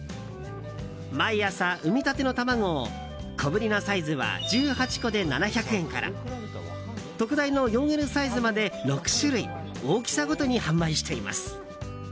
毎朝、産みたての卵を小ぶりなサイズは１８個で７００円から特大の４Ｌサイズまで６種類大きさごとに販売しています。